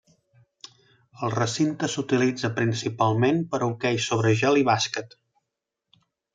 El recinte s'utilitza principalment per a hoquei sobre gel i bàsquet.